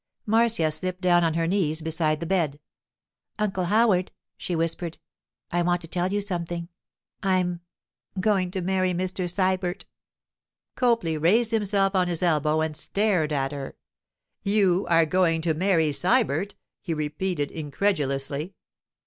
Marcia slipped down on her knees beside the bed. 'Uncle Howard,' she whispered, 'I want to tell you something. I'm—going to marry Mr. Sybert.' Copley raised himself on his elbow and stared at her. 'You are going to marry Sybert?' he repeated incredulously.